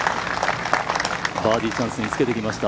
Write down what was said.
バーディーチャンスにつけてきました。